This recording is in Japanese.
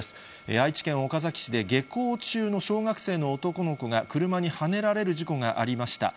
愛知県岡崎市で、下校中の小学生の男の子が車にはねられる事故がありました。